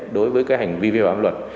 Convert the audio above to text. đối với các hành vi vi phạm luật